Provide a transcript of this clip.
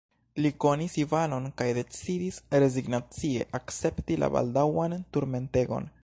Li konis Ivanon kaj decidis rezignacie akcepti la baldaŭan turmentegon.